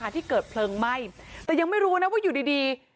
ที่เกิดเพลิงไหม้แต่ยังไม่รู้นะว่าอยู่ดี